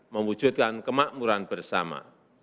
mewujudkan kemakmuran bersama